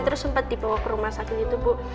terus sempat dibawa ke rumah sakit itu bu